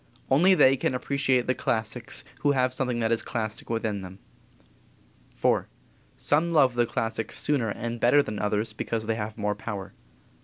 Only they can appreciate the classics who have something that is classic within them. IV. Some love the classics sooner and better than others because they have more power.